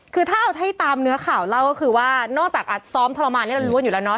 คือถ้าเอาให้ตามเนื้อข่าวเล่าก็คือว่านอกจากซ้อมทรมานนี่เราล้วนอยู่แล้วเนอ